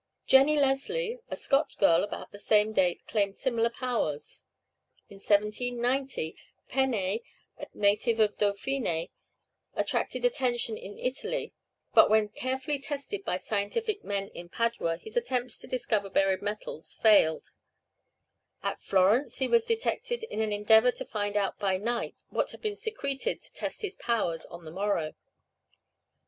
Jenny Leslie, a Scotch girl, about the same date claimed similar powers. In 1790, Pennet, a native of Dauphiné, attracted attention in Italy, but when carefully tested by scientific men in Padua, his attempts to discover buried metals failed; at Florence he was detected in an endeavor to find out by night what had been secreted to test his powers on the morrow.